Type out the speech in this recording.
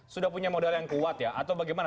sudah punya modal yang kuat ya atau bagaimana